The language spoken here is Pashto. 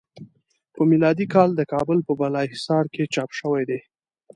په میلادی کال د کابل په بالا حصار کې چاپ شوی دی.